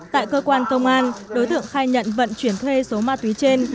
tại cơ quan công an đối tượng khai nhận vận chuyển thuê số ma túy trên